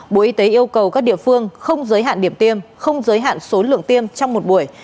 bộ y tế yêu cầu các địa phương không giới hạn điểm tiêm không giới hạn số lượng tiêm trong một buổi